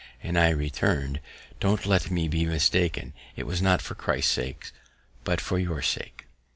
And I returned, "_Don't let me be mistaken; it was not for Christ's sake, but for your sake.